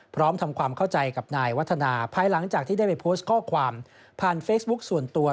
พร้อมทำความเข้าใจกับนายวัฒนาภายหลังจากที่ได้ไปโพสต์ข้อความผ่านเฟซบุ๊คส่วนตัว